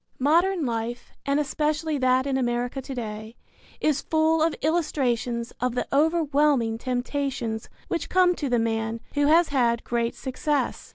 Modern life, and especially that in America to day, is full of illustrations of the overwhelming temptations which come to the man who has had great success.